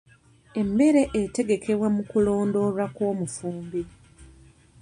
Emmere etegekebwa mu kulondoolwa kw'omufumbi.